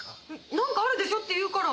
「なんかあるでしょ」って言うから。